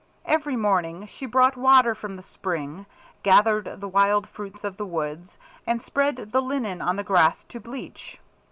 Every morning she brought water from the spring, gathered the wild fruits of the woods, and spread the linen on the grass to bleach.